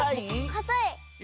かたい。